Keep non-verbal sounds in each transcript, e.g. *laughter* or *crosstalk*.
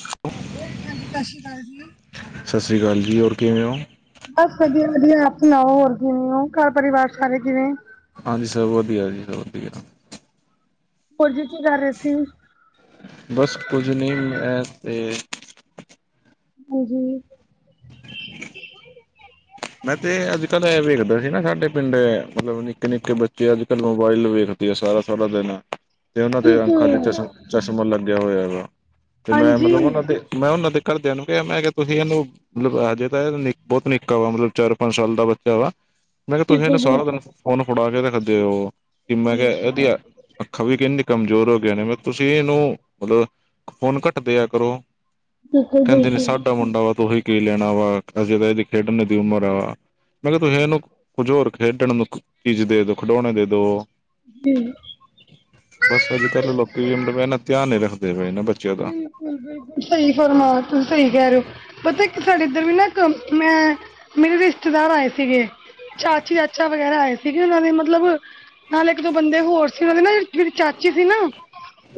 *inaudible* ਹਾਂਜੀ ਸ਼ਸੀ ਕਾਲ ਜੀ। ਸਾਸਰੀ ਕਾਲ ਜੀ ਔਰ ਕਿਵੇਂ ਓ? ਬਸ, ਵਧੀਆ-ਵਧੀਆ ਆਪ ਸੁਣਾਓ ਹੋਰ ਕਿਵੇਂ ਓ, ਘਰ ਪਰਿਵਾਰ ਸਾਰੇ ਕਿਵੇਂ ਹਾਂਜੀ ਸਬ ਵਧੀਆ ਜੀ ਵਧੀਆ। ਹੋਰਜੀ ਕੀ ਕਰ ਰ‌ਏ ਸੀ? ਬਸ ਕੁੱਝ ਨੀ, ਮੈਂ ਤੇ ਹਾਂਜੀ *inaudible* ਮੈਂ ਤੇ ਅੱਜ ਕੱਲ੍ਹ ਇਹ ਵੇਖਦਾ ਸੀ ਨਾ ਸਾਡੇ ਪਿੰਡ ਮਤਲਬ ਨਿੱਕੇ-ਨਿੱਕੇ ਬੱਚੇ ਅੱਜ ਕੱਲ੍ਹ ਮੋਬਾਇਲ ਵੇਖ ਤੇ ਸਾਰਾ-ਸਾਰਾ ਦਿਨ ਤੇ ਉਹਨਾਂ ਦੇ ਅੱਖਾਂ ਦੇ ਬਿਲਕੁਲ ਚਸ਼ਮ ਚਸ਼ਮਾ ਲੱਗਿਆ ਹੋਇਆ ਹੈ ਵਾ ਤੇ ਮੈਂ ਹਾਂਜੀ ਮਤਲਬ ਉਹਨਾਂ ਦੇ ਮੈਂ ਉਹਨਾਂ ਦੇ ਘਰਦਿਆਂ ਨੂੰ ਕਿਹਾ ਮੈਂ ਕਿਹਾ ਤੁਸੀਂ ਇਹਨੂੰ ਮਤਲਬ ਹਜੇ ਤਾਂ ਇਹ ਨ ਬਹੁਤ ਨਿੱਕਾ ਵਾ ਮਤਲਬ ਚਾਰ ਪੰਜ ਸਾਲ ਦਾ ਬੱਚਾ ਵਾ। ਮੈਂ ਕਿਹਾ ਤੁਸੀਂ ਇਹਨੂੰ ਬਿਲਕੁਲ ਬਿਲ ਸਾਰਾ ਦਿਨ ਫੋਨ ਫੜਾ ਕੇ ਰਖਦੇ ਹੋ ਕਿ ਮੈਂ ਜੀ ਕਿਹਾ ਇਹਦੀਆ ਅੱਖਾਂ ਵੀ ਕਿਂਜ ਕਮਜ਼ੋਰ ਹੋ ਗਏ ਨੇ ਮਤਲਬ ਤੁਸੀਂ ਇਹਨੂੰ ਮਤਲਬ ਫੋਨ ਘੱਟ ਦਿਆ ਕਰੋ। ਬਿਲਕੁਲ ਕਹਿੰਦੇ ਨੀ ਬਿਲਕੁਲ ਸਾਡਾ ਮੁੰਡਾ ਵਾ ਤੁਹੀ ਕੀ ਲੈਣਾ ਵਾ ਅਸੀੇ ਤਾਂ ਇਹਦੀ ਖੇਡਣ ਦੀ ਉਮਰ ਵ ਮੈਂ ਕਿਹਾ ਤੁਸੀਂ ਇਹਨੂੰ ਕੁਝ ਹੋਰ ਖੇਡਣ ਨੂੰ ਚੀਜ਼ ਦੇ ਦੋ ਖਿਡੋਣੇ ਦੇ ਦੋ। ਤੇ ਬਸ ਅੱਜ ਕੱਲ ਲੋਕੀ ਵੀ ਮਤਲਬ ਇਹਨਾ ਧਿਆਨ ਨ ਰੱਖਦੇ ਪਏ ਇਹ ਬੱ ਬਿਲਕੁਲ -ਬਿਲਕੁਲ ਸਹੀ ਫਰਮ ਤੁਸੀ ਸਹੀ ਕਹਿ ਰਹੇ ਹੋ। ਪਤਾ ਇੱਕ ਸਾਡੇ ਇੱਧਰ ਵੀ ਨਾ ਇੱਕ ਮੈਂ ਮੇਰੇ ਰਿਸ਼ਤੇਦਾਰ ਆਏ ਸੀਗੇ। ਚਾਚੀ ਚਾਚਾ ਵਗੈਰਾ ਆਏ ਸੀਗੇ ਉਹਨਾਂ ਦੇ ਮਤਲਬ ਨਾਲ ਇੱਕ ਦੋ ਬੰਦੇ ਹੋਰ ਸੀ ਉਹ ਦੇ ਨਾ ਜਿਹੜੀ ਚਾਚੀ ਸੀ ਨਾ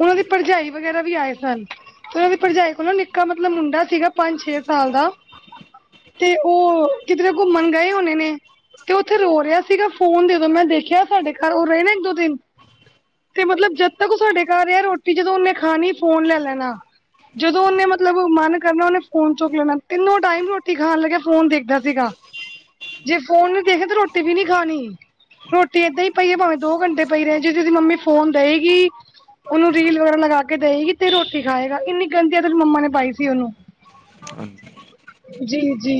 ਉਹਨਾਂ ਦੀ ਭਰਜਾਈ ਵਗੈਰਾ ਵੀ ਆਏ ਸੀ। ਤੇ ਉਹਨਾਂ ਦੀ ਭਰਜਾਈ ਕੋਲ ਨਾ ਨਿੱਕਾ ਮਤਲਬ ਮੁੰਡਾ ਸੀਗਾ ਪੰਜ ਛੇ ਸਾਲ ਦਾ ਤੇ ਉਹ ਕਿਤੇ ਘੁੰਮਣ ਗਏ ਹੋਣੇ ਨੇ। ਤੇ ਉਥੇ ਰੋ ਰਿਹਾ ਸੀਗਾ ਫੋਨ ਦੇ ਦੋ ਮੈਂ ਦੇਖਿਆ ਸਾਡੇ ਘਰ ਉਹ ਰਹੇ ਨੇ ਇੱਕ ਦੋ ਦਿਨ ਤੇ ਮਤਲਬ ਜਦ ਤੱਕ ਉਹ ਸਾਡੇ ਘਰ ਰਿਹਾ ਰੋਟੀ ਜਦੋਂ ਉਹਨੇ ਖਾਣੀ ਫੋਨ ਲੈ ਲੈਣਾ। ਜਦੋਂ ਉਹਨੇ ਮਤਲਬ ਮਨ ਕਰਨਾ ਉਹਨੇ ਫੋਨ ਚੁਕ ਲੈਣਾ ਤਿੰਨੋ ਟਾਈਮ ਰੋਟੀ ਖਾਣ ਲੱਗਿਆ ਫੋਨ ਦੇਖਦਾ ਸੀਗਾ ਜੇ ਫੋਨ ਨੂੰ ਦੇਖਿਆ ਤਾਂ ਰੋਟੀ ਵੀ ਨਹੀਂ ਖਾਣੀ। ਰੋਟੀ ਏਦਾਂ ਹੀ ਪਈ ਹੈ ਭਾਵੇਂ ਦੋ ਘੰਟੇ ਪਈ ਰਹੇ ਜੇ ਉਹਦੀ ਮੰਮੀ ਫੋਨ ਦੇਏਗੀ। ਉਹਨੂੰ ਰੀਲ ਵਗੈਰਾ ਲਗਾ ਕੇ ਦੇਏਗੀ। ਤੇ ਰੋਟੀ ਖਾਏਗਾ ਇੰਨੀ ਗੰਦੀ ਤੇ ਮੰਮਾ ਨੇ ਪਾਈ ਸੀ ਉਹਨੂੰ ਜੀ-ਜੀ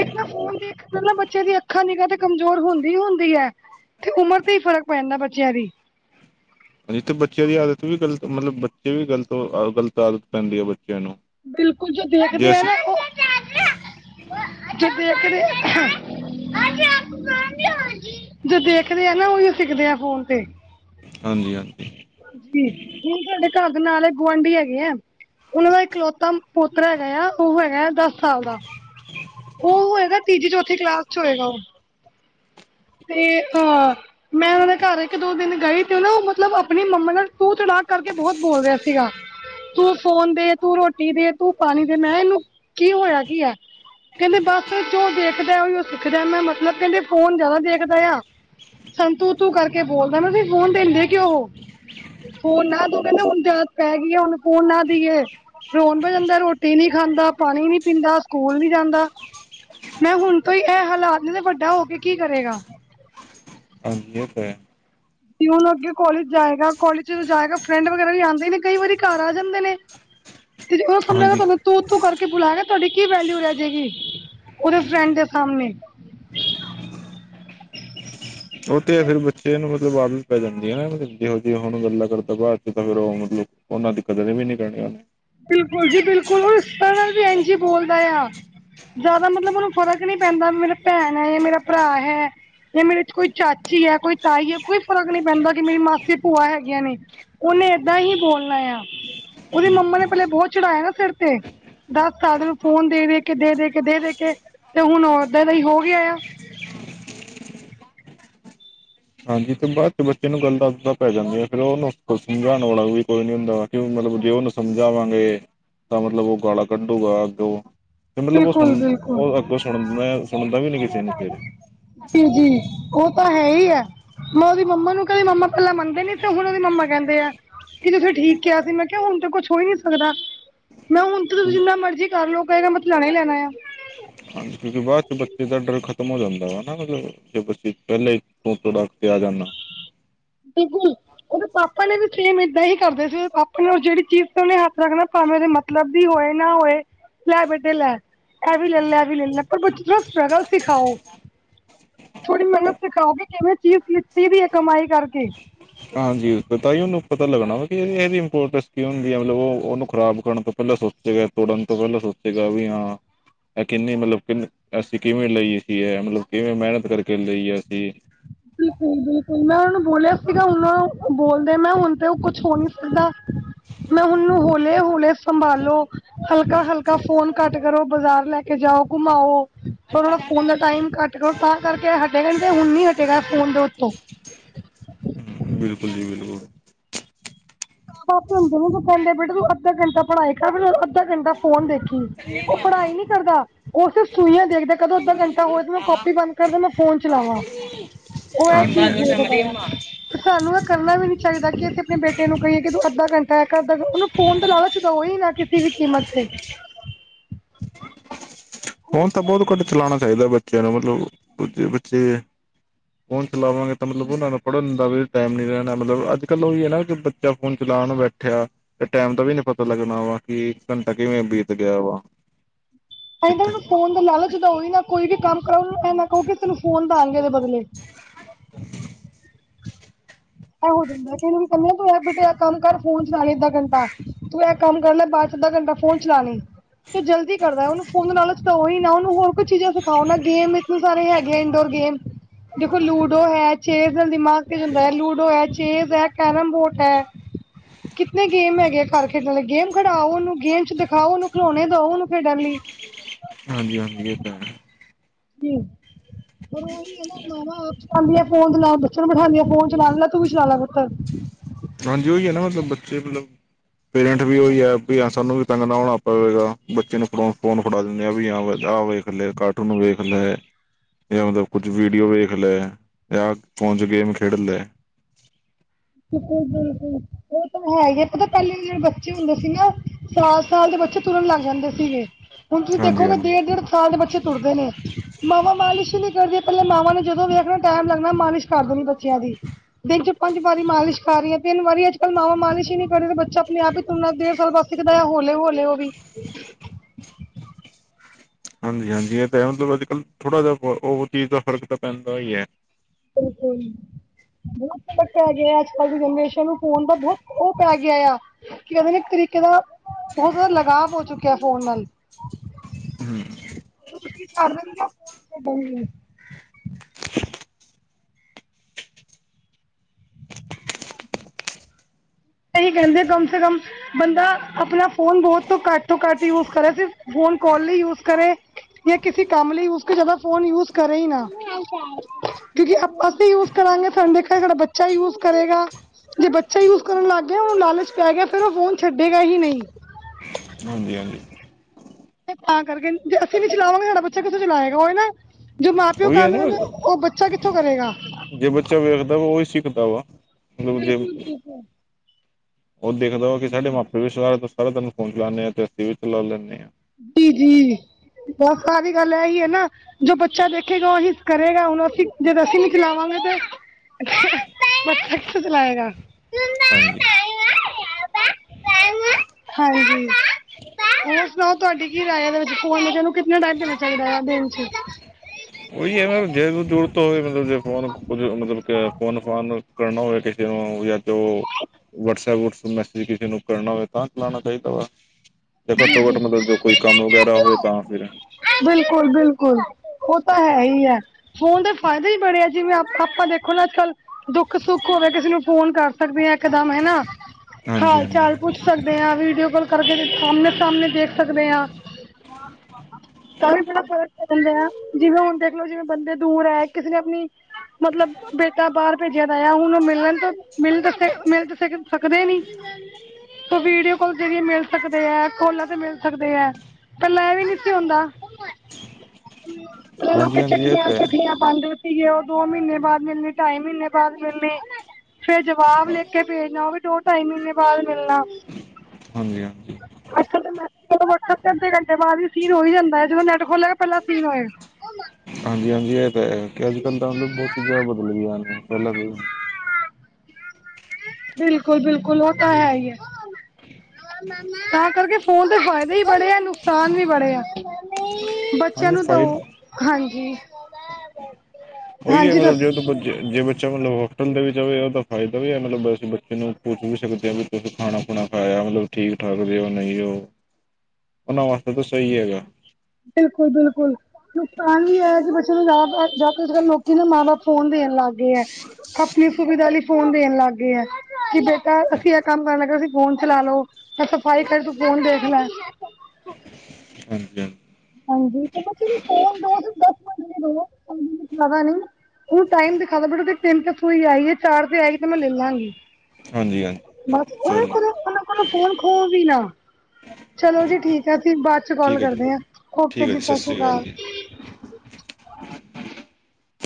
ਇਕ ਤੇ ਫੋਨ ਦੇਖ ਕ ਬੱਚੇ ਦੀ ਅੱਖਾਂ ਨਿਗਾ ਕਮਜ਼ੋਰ ਹੁੰਦੀ-ਹੁੰਦੀ ਹੈ। ਤੇ ਉਮਰ ਤੇ ਹੀ ਫ਼ਰਕ ਪੈਂ ਜਾਂਦਾ ਬੱਚਿਆਂ ਦੀ ਹਾਂਜੀ ਇੱਥੇ ਬੱਚਿਆਂ ਦੀ ਆਦਤ ਵੀ ਗਲਤ ਮਤਲਬ ਬੱਚੇ ਵੀ ਗਲਤ-ਗਲਤ ਆਦਤ ਪੈਂਦੀ ਹੈ ਬੱਚਿਆਂ ਨੂੰ ਬਿਲਕੁਲ ਜੋ ਜੇ ਦੇਖਦੇ ਆ ਅਸੀਂ ਨਾ ਉਹ *inaudible* *unintelligible* ਜੋ ਦੇਖਦੇ ਆ ਨਾ ਉਹੀ ਸਿੱਖਦੇ ਆ ਫੋਨ ਤੇ ਹਾਂਜੀ-ਹਾਂਜੀ ਜੀ ਹੁਣ ਸਾਡੇ ਘਰ ਦੇ ਨਾਲ ਗੁਆਂਢੀ ਹੈਗੇ ਆ। ਉਹਨਾਂ ਦਾ ਇਕਲੌਤਾ ਪੋਤਰਾ ਹੈਗਾ ਆ ਉਹ ਹੈਗਾ ਆ ਦਸ ਸਾਲ ਦਾ *inaudible* ਉਹ ਹੋਏਗਾ ਤੀਜੀ ਚੌਥੇ ਕਲਾਸ 'ਚ ਹੋਏਗਾ ਉਹ ਤੇ ਅਹ ਮੈਂ ਉਹਨਾਂ ਦਾ ਘਰ ਇੱਕ ਦੋ ਦਿਨ ਗਈ। ਤੇ ਉਹ ਨਾ ਮਤਲਬ ਆਪਣੀ ਮੰਮਾ ਨਾਲ ਤੂੰ ਤੜਾਕ ਕਰਕੇ ਬਹੁਤ ਬੋਲ ਰਿਹਾ ਸੀਗਾ। ਤੂੰ ਫੋਨ ਦੇ ਤੂੰ ਰੋਟੀ ਦੇ ਤੂੰ ਪਾਣੀ ਦੇ ਮੈਂ ਇਹਨੂੰ ਕੀ ਹੋਇਆ ਕੀ ਹੈ। ਕਹਿੰਦੇ ਬਸ ਜੋ ਦੇਖਦਾ ਵੀ ਉਹ ਸਿੱਖਦਾ ਮੈਂ ਮਤਲਬ ਕਹਿੰਦੇ ਫੋਨ ਜ਼ਿਆਦਾ ਦੇਖ ਦੇਖਦਾ ਸਾਨੂੰ ਤੂੰ-ਤੂੰ ਕਰਕੇ ਬੋਲਦਾ ਨਾ ਤੁਸੀਂ ਫੋਨ ਦਿੰਦੇ ਕਿਉ ਓ। ਫੋਨ ਨਾ ਦਊ ਕਹਿੰਦੇ ਹੁਣ ਆਦਤ ਪੈ ਗਈ ਹੈ ਉਹਨੂੰ ਫੋਨ ਨਾ ਦੇਈਏ। ਰੋਣ ਬੈਹ ਜਾਂਦਾ ਰੋਟੀ ਨੀ ਖਾਂਦਾ ਪਾਣੀ ਨੀ ਪੀਂਦਾ ਸਕੂਲ ਨੀ ਜਾਂਦਾ। ਮੈਂ ਹੁਣ ਤੋਂ ਹੀ ਇਹ ਹਾਲਾਤ ਨੇ ਤੇ ਵੱਡਾ ਹੋ ਕੇ ਕੀ ਕਰੇਗਾ। ਹਾਂਜੀ ਇਹ ਤਾਂ ਹੈ। ਹੁਣ ਅੱਗੇ ਕੋਲੇਜ ਜਾਏਗਾ ਕੋਲੇਜ 'ਚ ਜਾਏਗਾ ਫਰੈਂਡ ਵਗੈਰਾ ਵੀ ਆਂਦੇ ਨੇ ਕਈ ਵਾਰੀ ਘਰ ਆ ਜਾਂਦੇ ਨੇ। *inaudible* ਤੇ ਉਹ ਹਾਂਜੀ। ਸਾਹਮਣੇ ਤੂੰ ਤੂੰ ਕਰਕੇ ਬੁਲਾ ਕੇ ਤੁਹਾਡੀ ਕੀ ਵੈਲਿਊ ਰਹਿ ਜਾਏਗੀ ਉਹਦੇ ਫਰੈਂਡ ਦੇ ਸਾਹਮਣੇ ਉਹ ਤੇ ਆ ਫਿਰ ਬੱਚੇ ਨੂੰ ਮਤਲਬ ਵਾ ਪੈ ਜਾਂਦੀਆਂ ਨਾ ਜਿਹੋ ਜਿਹੀ ਹੁਣ ਗੱਲਾਂ ਕਰਦਾ ਬਾਅਦ ਚ ਤਾਂ ਫਿਰ ਉਹ ਮਤਲਬ ਉਹਨਾਂ ਦੀ ਕਦਰਤ ਵੀ ਨੀ ਰੈਣੀ ਹੋਣੀ ਬਿਲਕੁਲ ਜੀ ਬਿਲਕੁਲ ਸਾਲਾ ਭੈਣ ਜੀ ਬੋਲਦਾ ਆ ਜਾਦਾ ਮਤਲਬ ਔਨੂੰ ਫਰਕ ਨੀ ਪੈਂਦਾ ਵੀ ਮੇਰਾ ਭੈਣ ਹੈ ਯਾ ਮੇਰਾ ਭਰਾ ਹੈ। ਏਹ ਮੇਰੇ ਚ ਕੋਈ ਚਾਚੀ ਹੈ, ਕੋਈ ਤਾਈ ਹੈ ਕੋਈ ਫ਼ਰਕ ਨੀ ਪੈਂਦਾ ਕਿ ਮੇਰੀ ਮਾਸੀ ਭੂਆ ਹੈਗੀਆਂ ਨੇ। ਉਨੇ ਏਦਾਂ ਹੀ ਬੋਲਣਾ ਆ ਉਹਦੀ ਮੰਮਾ ਨੇ ਪੈਲੇ ਬੌਤ ਚੜ੍ਹਾਇਆ ਨਾ ਸੇਰ ਤੇ। ਦੱਸ ਸਾਲ ਦੇ ਨੂੰ ਫੋਨ ਦੇ ਵੇਖਕੇ ਦੇ ਦੇ ਕੇ ਦੇ ਦੇ ਕੇ ਤੇ ਹੁਣ ਉਹ ਇਦਾਂ ਦਾ ਹੀ ਹੋ ਗਿਆ ਆ। ਹਾਂਜੀ ਤੇ ਬਾਦ ਚ ਬੱਚੇ ਨੂੰ ਗਲਤ ਆਦਤਾ ਪੈ ਜਾਂਦੀਆਂ ਫਿਰ ਓਹਨੂੰ ਸਮਝਾਣ ਵਾਲਾ ਵੀ ਕੋਈ ਨੀ ਹੁੰਦਾ। ਕਿ ਉ ਮਤਲਬ ਜੇ ਔਨੂੰ ਸਮਝਾਵਾਂਗੇ ਤਾਂ ਮਤਲਬ ਓਹ ਗਾਲਾ ਕੱਢੂਗਾ ਅੱਗੋ। ਫਿਰ ਮਤਲਬ ਓਹ ਬਿਲਕੁਲ ਸੁਣ ਬਿਲਕੁਲ ਓਹ ਅੱਗੋਂ ਸੁਣ ਸੁਣਦਾ ਵੀ ਨੀ ਕਿਸੇ ਦੀ ਫਿਰ। ਪੀਜੀ ਔ ਤਾਂ ਹੈ ਹੀ ਹੈ, ਮੈਂ ਉਹਦੀ ਮੰਮਾ ਨੂੰ ਕਹੀ ਮੰਮਾ ਪੈਲਾ ਮੰਨਦੇ ਨੀ ਤੇ ਹੁਣ ਔਦੀ ਮੰਮਾ ਕੈੰਦੇ ਹੈ, ਕਿ ਤੁਸੀਂ ਠੀਕ ਕਿਹਾ ਸੀ ਮੈਂ ਕਿਹਾ ਹੁਣ ਤੇ ਕੁਛ ਹੋ ਹੀ ਨੀ ਸਕਦਾ। ਮੈਂ ਹੁਣ ਤੇ ਤੁਸੀਂ ਜਿੰਨਾ ਮਰਜ਼ੀ ਕਰ ਲੋ ਔ ਕਹੇਗਾ ਮੈਂ ਤੇ ਲੈਣਾ ਹੀ ਲੈਣਾ ਹੈ। ਹਾਂਜੀ ਕਿਉਂਕਿ ਬਾਅਦ ਚ ਬੱਚੇ ਦਾ ਡਰ ਖ਼ਤਮ ਹੋ ਜਾਂਦਾ ਵਾ ਮਤਲਬ ਉੱਪਰ ਸਿਸਟਰ ਨੇ ਉਤੋਂ ਡਰ ਕੇ ਆ ਜਾਣਾ ਟਿਗਲੂ ਉਹਦੇ ਪਾਪਾ ਨੇ ਵੀ ਸੇਮ ਇਦਾਂ ਹੀ ਕਰਦੇ ਜੇ ਪਾਪਾ ਨੇ ਉਸ ਜਿਹੜ ਚੀਜ਼ ਤੇ ਉਹਨੇ ਹੱਥ ਰੱਖਣਾ ਭਾਵੇਂ ਉਹਦੇ ਮਤਲਬ ਦੀ ਹੋਏ ਨਾ ਹੋਏ ਲੈ ਬੇਟੇ ਲੈ ਐ ਵੀ ਲੈ ਲੈ ਐ ਵੀ ਲੈ ਲੈ ਪਰ ਬੱਚੇ ਥੋੜਾ ਸਟ੍ਰਗਲ ਸਿਖਾਓ ਥੋੜੀ ਮਿਹਨਤ ਸਿਖਾਓਗੀ ਕਿਵੇਂ ਚੀਜ਼ ਲਿੱਤੀ ਵੀ ਹੈ ਕਮਾਈ ਕਰਕੇ ਹਾਂਜੀ ਤਾਂ ਹੀ ਉਹਨੂੰ ਪਤਾ ਲੱਗਣਾ ਵਾ ਕਿ ਇਹਦੀ ਇੰਪੋਰਟੈਂਸ ਕੀ ਹੁੰਦੀ ਹੈ ਮਤਲਬ ਉਹਨੂੰ ਖਰਾਬ ਕਰਨ ਤੋਂ ਪਹਿਲਾਂ ਸੋਚ ਸੋਚੇ ਗਾ ਤੋੜਨ ਤੋਂ ਪਹਿਲਾਂ ਸੋਚੇ ਗਾ ਵੀ ਹਾਂ। ਇਹ ਕਿੰਨੀ ਮਤਲਬ ਕਿੰਨ ਅਸੀਂ ਕਿਵੇਂ ਲਈ ਸੀ ਇਹ ਮਤਲਬ ਕਿਵੇਂ ਮਿਹਨਤ ਕਰਕੇ ਲਈ ਹੈ ਅਸੀਂ ਬਿਲਕੁਲ ਬਿਲਕੁਲ ਮੈਂ ਉਹਨਾਂ ਨੂੰ ਬੋਲਿਆ ਸੀਗਾ ਹਣ ਬੋਲਦੇ ਮੈਂ ਹੁਣ ਤੇ ਕੁਛ ਹੋ ਨੀ ਸਕਦਾ ਮੈਂ ਹੁਣ ਹੌਲੇ ਹੌਲੇ ਸੰਭਾਲੋ ਹਲਕਾ-ਹਲਕਾ ਫੋਨ ਘੱਟ ਕਰੋ ਬਜ਼ਾਰ ਲੈ ਕੇ ਜਾਓ ਘੁਮਾਓ। ਥੋੜਾ ਫੋਨ ਦਾ ਟਾਈਮ ਘੱਟ ਕਰੋ ਤਾਂ ਕਰਕੇ ਹਟੇਗਾ ਤੇ ਹੁਣ ਨੀ ਹਟੇਗਾ ਹੈ ਫੋਨ ਦੇ ਉੱਤੋਂ। ਬਿਲਕੁਲ ਜੀ ਬਿਲਕੁਲ। ਪਾਪ ਹੁੰਦੇ ਨੇ ਜੋ ਕੈੰਦੇ ਐ ਬੇਟੇ ਤੂੰ ਅੱਧਾ ਘੰਟਾ ਪੜ੍ਹਾਈ ਕਰ ਫਿਰ ਅੱਧਾ ਘੰਟਾ ਫੋਨ ਦੇਖੀ। ਓਹ ਪੜ੍ਹਾਈ ਨੀ ਕਰਦਾ ਉਹ ਸਿਰਫ ਸੂਈਆਂ ਦੇਖਦਾ। ਕਦੋਂ ਅੱਧਾ ਘੰਟਾ ਹੋਏ ਤੇ ਮੈਂ ਕਾਪੀ ਬੰਦ ਕਰਦਾ ਮੈਂ ਫੋਨ ਚਲਾਵਾਂ। ਉਹ ਐਹ ਚੀਜ਼ ਵੇਖਦਾ ਆ ਤੇ ਸਾਨੂੰ ਐ ਕਰਨਾ ਵੀ ਨੀ ਚਾਹੀਦਾ ਕਿ ਅਸੀੇ ਅਪਣੇ ਬੇਟੇ ਨੂੰ ਕਈਏ ਦੇਖੋ ਅੱਧਾ ਘੰਟਾ ਇੱਕ ਅੱਧਾ ਓਹਨੂੰ ਫੋਨ ਦਾ ਲਾਲਾਚ ਛੜੋਈ ਹੀ ਨਾ ਕਿਸੀ ਵੀ ਕੀਮਤ ਤੇ। ਫੋਨ ਤਾਂ ਬੌਤ ਘੱਟ ਚਲਾਣਾ ਚਾਹੀਦੇ ਬੱਚਿਆਂ ਨੂੰ ਮਤਲਬ ਦੂਜੇ ਬੱਚੇ ਫੋਨ ਚਲਾਵਾਂਗੇ ਤਾਂ ਮਤਲਬ ਉਹਨਾ ਨੂੰ ਪੜ੍ਹਨ ਦਾ ਵੀ ਟਾਈਮ ਨੀ ਰੈਣਾ ਮਤਲਬ ਅੱਜ-ਕੱਲ ਓਹੀ ਹੈ ਨਾ ਕਿ ਬੱ ਜਬ ਫੋਨ ਚਲਾਣ ਨੂੰ ਬੈਠਿਆ ਤੇ ਟਾਈਮ ਦਾ ਵੀ ਨੀ ਪਤਾ ਲੱਗਣਾ ਵਾ ਕਿ ਘੰਟਾ ਕਿਵੇਂ ਬੀਤ ਗਿਆ ਵਾ। ਸਗੋ ਕਿੱਥੇ ਔਨੂੰ ਫੋਨ ਦਾ ਲਾਲਚ ਦਓ ਹੀ ਨਾ ਕੋਈ ਵੀ ਕੰਮ ਕਰ ਆਹ ਨਾ ਕਹੋ ਕਿ ਤੈਨੂੰ ਫੋਨ ਦਵਾਂਗੇ ਇਹਦੇ ਬਦਲੇ। *unintelligible* ਹੈ ਹੋ ਜਾਂਦਾ ਉਨਾਂ ਨੂੰ ਕਹੀਏ ਤੂੰ ਹੈ ਬੇਟੇ ਦਾ ਕੰਮ ਕਰ ਫੋਨ ਚਲਾਲੀ ਅੱਧਾ ਘੰਟਾ ਤੂੰ ਹੈ ਕੰਮ ਕਰ ਲੈ ਬਾਅਦ ਚ ਅੱਧਾ ਘੰਟਾ ਫੋਨ ਚਲਾ ਲਈ। ਤੇ ਜਲਦੀ ਕਰਦਾ ਉਹਨੂੰ ਫੋਨ ਦਾ ਲਾਲਚ ਦਓ ਹੀ ਨਾ ਔਨੂੰ, ਹੋਰ ਕੁਝ ਚੀਜ਼ਾਂ ਸਿਖਾਓ ਨਾ ਗੇਮ ਇਤਨੀ ਸਾਰੀ ਹੈਗੇ ਹੈ ਇੰਡੋਰ ਗੇਮ। ਦੇਖੋ ਲੂਡੋ ਹੈ ਚੇਜ ਨਾਲ ਦਿਮਾਗ ਤੇਜ ਹੁੰਦਾ। ਲੂਡੋ ਲੂਡੋ ਹੈ, ਚੇਜ਼ ਹੈ, ਕੈਰਮ ਬੋਟ ਹੈ। ਕਿੰਤਨੇ ਗੇਮ ਹੈਗੇ ਆ ਘਰ ਖੇਡਣ ਲਈ। ਗੇਮ ਖੜਾਓ ਓਨੂੰ ਗੇਮ ਚ ਦਿਖਾਓ ਉਹਨੂੰ ਖਿਲੋਣੇ ਦਓ ਓਨੂੰ ਖੇਡਣ ਲਈ। ਹਾਂਜੀ ਹਾਂਜੀ, ਏ ਤਾਂ ਹੈ। ਜੀ ਪਰ ਓਹੀ ਹੈ ਨਾ ਮਾਵਾਂ ਆਪ ਚਲਾਂਦੀ ਫੋਨ। *unintelligible* ਤੈਨੂੰ ਬਿਠਾਣੀ ਆ ਫੋਨ ਚਲਾ ਲੈ ਤੂੰ ਵੀ ਚਲਾ ਲੈ ਘਰ। ਹਾਂਜੀ, ਓਹੀ ਏ ਨਾ ਮਤਲਬ ਬੱਚੇ ਮਤਲਬ ਪੇਰੈਂਟ ਵੀ ਓਹੀ ਹੈ ਬਈ ਹਾ ਸਾਨੂੰ ਵੀ ਤੰਗ ਨਾ ਹੋਣਾ ਪਵੇਗਾ, ਬੱਚੇ ਨੂੰ ਫੜੋ ਫੋਨ ਫੜਾ ਦਿੰਦੇ ਆ ਬੀ ਆਵਦ ਆਵੇਖ। ਕਲੇ ਕਾਰਟੂਨ ਵੇਖ ਲਏ। ਯਾ ਔਦੈ ਕੁਝ ਵੀਡੀਓ ਵੇਖ ਲੈ ਯਾ ਫੋਨ ਚ ਗੇਮ ਖੇਡ ਲੈ। *unintelligible* ਕੁਲ ਬਿਲਕੁਲ ਔ ਤਾਂ ਹੈ ਈ ਏ ਪਤਾ ਪੈਲੇ ਜੇੜੇ ਬੱਚੇ ਹੁੰਦੇ ਸੀ ਨਾ ਸਯਾਲ ਸਾਲ ਦੇ ਬੱਚੇ ਤੁਰਨ ਲੱਗ ਜਾਂਦੇ ਸੀਗੇ, ਹੁਣ ਤੁਸੀਂ ਹਾਂਜੀ ਦੇਖੋਗੇ ਹਾਂਜੀ ਡੇਢ-ਡੇਢ ਸਾਲ ਦੇ ਬੱਚੇ ਤੁਰਦੇ ਨੇ। ਮਾਵਾਂ ਮਾਲਿਸ਼ ਹੀ ਨੀ ਕਰ ਰਹਿਆਂ ਪਹਿਲਾਂ ਮਾਵਾਂ ਨੇ ਜਦੋਂ ਵੀ ਦੇਖਣਾ ਟਾਈਮ ਲੱਗਣਾ ਮਾਲਿਸ਼ ਕਰ ਦੇਣੀ ਬੱਚਿਆਂ ਦੀ। ਦਿਨ 'ਚ ਪੰਜ। ਤਿੰਨ ਵਾਰੀ ਮਾਲਿਸ਼ ਕਰ ਰਹੀ ਹੈ। ਤਿੰਨ ਵਾਰੀ ਅੱਜਕੱਲ ਮਾਵਾਂ ਮਾਲਿਸ਼ ਹੀ ਨਹੀਂ ਕਰ ਰਹੀਆਂ ਤੇ ਬੱਚਾ ਆਪਣੇ ਆਪ ਹੀ ਤੁਰਨਾ ਡੇਢ ਸਾਲ ਬਾਅਦ ਸਿੱਖਦਾ ਆ ਹੌਲੇ ਹੌਲੇ। ਤੇ ਉਹ ਵੀ। ਹਾਂਜੀ ਹਾਂਜੀ ਇਹ ਤਾਂ ਹੈ ਮਤਲਬ ਅੱਜ ਕੱਲ੍ਹ ਥੋੜ੍ਹਾ ਜਿਹਾ ਉਹ ਚੀਜ਼ ਦਾ ਫ਼ਰਕ ਤਾਂ ਪੈਂਦਾ ਹੀ ਹੈ। ਬਿਲਕੁਲ। ਬਹੁਤ ਫ਼ਰਕ ਪੈ ਗਿਆ ਅੱਜ ਕੱਲ੍ਹ ਦੀ ਜਨਰੇਸ਼ਨ ਨੂੰ ਫੋਨ ਦਾ ਬਹੁਤ ਉਹ ਪੈ ਗਿਆ ਆ। ਕਿ ਉਹਦੇ ਨਾਂ ਇੱਕ ਤਰੀਕੇ ਦਾ ਬਹੁਤ ਜ਼ਿਆਦਾ ਲਗਾਵ ਹੋ ਚੁੱਕਿਆ ਫੋਨ ਨਾਲ਼। ਹੂੰ। ਕੁਛਵੀ ਛੱਡਦੇਣ ਗੇਆ ਫੋਨ ਛਡਣਗੇ। ਸਹੀ ਕੈੰਦੇ ਐ ਕਮ ਸੇ ਕਮ ਬੰਦਾ ਅਪਣਾ ਫੋਨ ਬੌਤ ਤੋ ਘੱਟ ਤੋਂ ਘੱਟ ਯੂਸ ਕਰੇ ਸਿਰਫ ਫੋਨ ਕੋਲ ਲਈ ਯੂਸ ਕਰੇ। ਯਾ ਕਿਸੀ ਕੰਮ ਲਈ ਉਸ ਕੀ ਜੈਦਾ ਫੋਨ ਯੂਸ ਕਰੇ ਈ ਨਾ। ਕਿਉਂਕਿ ਅਪ ਅਸੀਂ ਯੂਜ ਕਰਾਂਗੇ ਸਾਨੂੰ ਦੇਖਐ ਕੇੜਾ ਬੱਚਾ ਯੂਸ ਕਰੇਗਾ। ਜੇ ਬੱਚਾ ਯੂਸ ਕਰਨ ਲੱਗ ਗਿਆ, ਹੁਣ ਲਾਲਚ ਪੈ ਗਿਆ ਫੇਰ ਓਹ ਫੋਨ ਛੱਡੇ ਗਾ ਹੀ ਨਹੀਂ। ਹਾਂਜੀ, ਹਾਂਜੀ। ਤੇ ਤਾਂ ਕਰਕੇ ਜੇ ਅਸੀਂ ਨੀ ਚਲਾਵਾਂਗੇ ਸਾਡਾ ਬੱਚਾ ਕਿੱਥੋਂ ਚਲਾਏਗਾ? ਓਹੀ ਨਾ, ਜੋ ਮਾਂ-ਪਿਓ ਉਹੀ ਹੈ ਕਾਮ ਨਾ ਕੰਦੇ ਓਹ ਬੱ ਬੱਚਾ ਕਿੱਥੋਂ ਕਰੇਗਾ? ਜੇ ਬੱਚਾ ਵੇਖਦਾ ਵਾ ਓਹੀ ਸਿੱਖਦਾ ਵਾ। ਮਤਲਬ ਬਿਲਕੁਲ-ਬਿਲਕੁਲ। ਹੁਣ ਦੇਖਲੋ ਕਿ ਸਾਡੇ ਮਾਪੇ ਵੀ ਸਾਰਾ ਤੋਂ ਸਾਰਾ ਦਿਨ ਫੋਨ ਚਲਾਉਂਦੇ ਆ ਤੇ ਅਸੀਂ ਵੀ ਚਲਾ ਲੈਂਦੇ ਹਾਂ। ਜੀ ਜੀ ਬਸ ਸਾਰੀ ਗੱਲ ਇਹੀ ਹੈ ਨਾ। ਜੋ ਬੱਚਾ ਦੇਖੇਗਾ ਉਹੀ ਕਰੇਗਾ ਹੁਣ ਅਸੀਂ ਜਦ ਅਸੀਂ ਨਹੀਂ ਚਲਾਵਾਂਗੇ ਤੇ। ਅੱਛਾ ਬੱਚਾ ਕਿੱਥੋਂ ਚਲਾਏਗਾ। ਹਾਂਜੀ। ਹਾਂਜੀ ਉਸ। ਸੁਣਾਓ ਤੁਹਾਡੇ ਕੀ ਰਹੈ ਇਹਦੇ ਵਿੱਚ ਫੋਨ ਬੱਚੇ ਨੂੰ ਕਿੰਨਾ ਟਾਈਮ ਦੇਣਾ ਚਾਹੀਦਾ ਆ ਦਿਨ ਵਿੱਚ। ਉਹੀ ਹੈ ਮੈਮ ਜੇ ਕੋਈ ਜ਼ਰੂਰ ਹੋਵੇ ਮਤਲਬ ਜੇ ਫੋਨ ਕੁੱਝ ਮਤਲਬ ਫ਼ੋਨ ਫਾਨ। ਕਰਨਾ ਹੋਵੇ ਕਿਸੇ ਨੂੰ ਜਾਂ। ਜੋ ਵਟਸਐਪ ਵਟਸੁਐਪ ਮੈਸੇਜ ਕਿਸੇ ਨੂੰ ਕਰਨਾ ਹੋਵੇ ਤਾਂ ਚਲਾਉਣਾ ਚਾਹੀਦਾ ਵਾ। ਤੇ ਜੀ ਘੱਟੋ ਜੀ ਘੱਟ ਮਤਲਬ ਜੋ ਕੋਈ ਕੰਮ ਵਗੈਰਾ ਹੋਵੇ ਤਾਂ ਫਿਰ। ਬਿਲਕੁਲ ਬਿਲਕੁਲ ਉਹ ਤਾਂ ਹੈ ਹੀ ਹੈ ਫ਼ੋਨ ਦੇ ਫਾਇਦੇ ਹੀ ਬੜੇ ਹੈ। ਜਿਵੇਂ ਆਪਾਂ ਦੇਖੋ ਨਾ ਅੱਜ ਕੱਲ੍ਹ ਦੁੱਖ ਸੁੱਖ ਹੋਵੇ ਕਿਸੇ ਨੂੰ ਫ਼ੋਨ ਕਰ। ਸਕਦੇ ਹਾਂ। ਇਕਦਮ ਹਨਾ ਹਾਂਜੀ ਹਾਲ ਹਾਂਜੀ ਚਾਲ ਪੁੱਛ ਸਕਦੇ ਹਾਂ। ਵੀਡੀਓ ਕਾਲ ਕਰਕੇ। ਆਮਣੇ ਸਾਹਮਣੇ ਦੇਖ ਸਕਦੇ ਹਾਂ। ਤਾਂ ਵੀ ਬੜਾ ਫਰਕ ਪੈੈਂਦਾ ਆ। ਜਿਵੇਂ ਹੁਣ ਦੇਖਲਓ ਜਿਵੇਂ ਬੰਦੇ ਦੂਰ ਹੈ। ਕਿਸੇ ਨੇ ਆਪਣੀ ਮਤਲਬ। ਬੇਟਾ ਬਾਹਰ ਭੇਜਿਆ ਦਾ ਆ ਹੁਣ ਮਿਲਣ ਤੋਂ ਮਿਲ ਤੇ ਮਿਲ ਸਕਦੇ ਨੀ। ਉਹ ਵੀਡੀਓ ਕੋਲ ਜਰੀਏ ਮਿਲ਼। ਸਕਦੇ ਹੈ। ਕੋਲਾਂ ਤੇ ਮਿਲ ਸਕਦੇ ਹੈ। ਪਹਿਲਾਂ ਇਹ ਵੀ ਨਹੀਂ ਸੀ ਹੁੰਦਾ। ਹੁਣ ਹਾਂਜੀ ਅੱਗੇ ਹਾਂਜੀ ਇਹ ਚਿੱਠੀਆਂ ਤਾਂ ਹੈ ਚੁਠੀਆ। ਪਾਉਂਦੇ ਸਨ ਉਹ ਦੋ ਮਹੀਨੇ ਬਾਅਦ ਮਿਲਣੀ ਢਾਈ ਮਹੀਨੇ ਬਾਅਦ ਮਿਲਣੀ। ਫੇਰ ਜਵਾਬ ਲਿਖ ਕੇ ਭੇਜਣਾ ਉਹ ਵੀ ਦੋ ਢਾਈ ਮਹੀਨੇ ਬਾਅਦ ਮਿਲਣਾ। ਹਾਂਜੀ ਹਾਂਜੀ। ਅੱਜ ਕੱਲ੍ਹ ਤੇ ਮੈਸਜ ਵੇਖੋ ਵਟਸਐਪ ਤੇ ਘੰਟੇ ਬਾਅਦ ਵੀ ਸੀਨ ਹੋ ਹੀ ਜਾਂਦਾ ਹੈ। ਜਦੋਂ ਨੈੱਟ ਖੋਲਿਆ ਗਿਆ ਪਹਿਲਾਂ ਸੀਨ ਹੋਏਗਾ। ਹਾਂਜੀ ਹਾਂਜੀ ਇਹ ਤਾਂ ਹੈ ਕਿ ਅੱਜ ਕੱਲ੍ਹ ਤਾਂ ਆਮ ਬਹੁਤ ਚੀਜ਼ਾਂ ਬਦਲ ਗਈਆਂ ਨੇ ਪਹਿਲਾਂ ਤੋਂ। ਬਿਲਕੁਲ ਬਿਲਕੁਲ ਉਹ ਤਾਂ ਹੈ ਹੀ। ਤਾਂ ਕਰਕੇ ਫੋਨ ਦੇ ਫ਼ਾਇਦੇ ਵੀ ਬੜੇ ਆ ਨੁਕਸਾਨ ਵੀ ਬੜੇ ਆ। ਬੱਚਿਆਂ ਹਾਂਜੀ ਨੂੰ ਫਾਇਦ ਦਿੳ ਹਾਂਜੀ। ਉਹੀ ਹੈ ਹਾਂਜੀ ਦੱਸ ਮਤਲਬ ਜਦੋਂ ਤੋਂ ਬੱਚੇ ਜਿਵੇਂ। ਬੱਚਾ ਮਤਲਬ ਹੋਸਟਲ ਦੇ ਵਿੱਚ ਜਾਵੇ ਉਹਦਾ ਫਾਇਦਾ ਵੀ ਹੈ ਮਤਲਬ ਅਸੀਂ ਬੱਚੇ ਨੂੰ ਪੁੱਛ ਵੀ ਸਕਦੇ ਹਾਂ ਵੀ ਤੁਸੀਂ ਖਾਣਾ ਖੁਣਾ ਖਾਇਆ ਮਤਲਬ। ਠੀਕ ਠਾਕ ਦਿਓ ਨਹੀਂ ਉਹ ਉਹਨਾਂ ਵਾਸਤੇ ਤਾਂ ਸਹੀ ਹੈਗਾ। ਬਿਲਕੁਲ- ਬਿਲਕੁਲ ਨੁਕਸਾਨ ਵੀ ਇਹ ਕਿ ਬੱਚੇ ਨੂੰ ਆਪ ਜਾਕਰ ਲੋਕੀ ਨਾ ਮਾਂ ਬਾਪ ਫੋਨ ਦੇਣ ਲੱਗ ਗਏ ਹੈ ਆਪਣੀ ਸੁਵਿਧਾ ਲਈ ਫੋਨ ਦੇਣ ਲੱਗ ਗਏ ਹੈ ਕਿ ਹਾਂਜੀ ਅਸੀਂ ਇਹ ਕੰਮ ਕਰਨਾਗੇ ਅਸੀਂ ਫੋਨ ਚਲਾ ਲੋ ਸਫ਼ਾਈ ਕਰ ਤੂੰ ਫੋਨ ਦੇਖ ਲ ਹਾਂਜੀ- ਹਾਂਜੀ ਹਾਂਜੀ ਬੱਚੇ ਨੂੰ ਫੋਨ ਦਿਓ ਦੱਸ ਮਿੰਟ ਵਾਸਤੇ ਬਸ ਉਹੂੰ ਟਾਈਮ ਦਿਖਾਦਾ ਬੇਟਾ ਦੇਖ ਤਿੰਨ ਤੇ ਸੂਈ ਆਈਏ ਚਾਰ ਤੇ ਆਏਈ ਤੇ ਮੈਂ ਲੈ ਲਵਾਂਗੀ ਹਾਂਜੀ ਬਸ ਹਾਂਜੀ ਚਲੋ ਫੋਨ ਓਨਾ ਕੋਲੋ ਖੋ ਵੀ ਨਾ ਚਲੋ ਜੀ ਠੀਕ ਅਸੀਂ ਬਾਅਦ ਚ ਕਾਲ ਠੀਕ ਹੈ ਜੀ ਕਰਦੇ ਹਾਂ ਓਕੇ ਜੀ ਸਤਿ ਸ਼੍ਰੀ ਅਕਾਲ